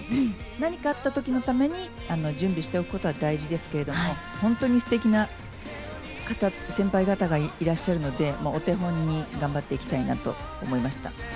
何かあったときのために準備しておくことは大事ですけれども、本当にすてきな方、先輩方がいらっしゃるので、お手本に頑張っていきたいなと思いました。